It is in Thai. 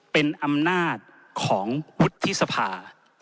เป็นอำนาจของวุฒิสภา